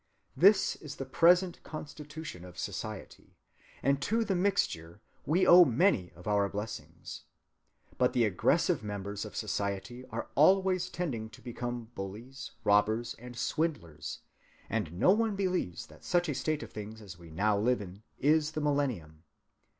This is the present constitution of society, and to the mixture we owe many of our blessings. But the aggressive members of society are always tending to become bullies, robbers, and swindlers; and no one believes that such a state of things as we now live in is the millennium.